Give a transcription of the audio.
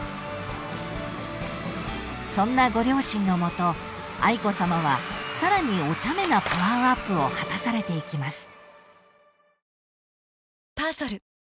［そんなご両親のもと愛子さまはさらにおちゃめなパワーアップを果たされていきます］